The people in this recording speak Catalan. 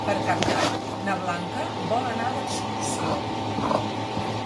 Per Cap d'Any na Blanca vol anar d'excursió.